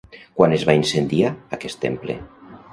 Quan es va incendiar aquest temple?